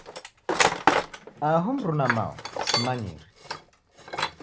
Aho mruma mao simanyire.